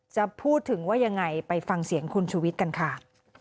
จะพูดถึงว่ายังไงไปฟังเสียงคุณชุวิตกันค่ะ